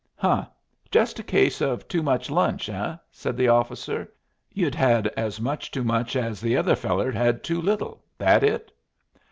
"Huh! Just a case of too much lunch, eh?" said the officer. "You'd had as much too much as the other feller'd had too little that it?"